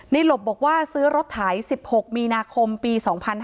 หลบบอกว่าซื้อรถไถ๑๖มีนาคมปี๒๕๕๙